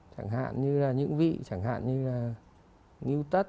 chẳng hạn như là những vị chẳng hạn như là utt